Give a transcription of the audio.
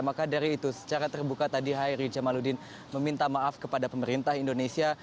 maka dari itu secara terbuka tadi hairi jamaludin meminta maaf kepada pemerintah indonesia